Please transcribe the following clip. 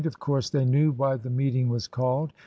Of course they knew why the meeting was called.